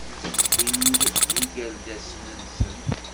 Wwin-d igerdasen-nsen.